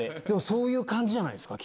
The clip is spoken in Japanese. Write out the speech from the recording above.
そういう感じじゃないですか？